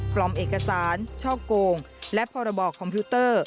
เอกสารช่อโกงและพรบคอมพิวเตอร์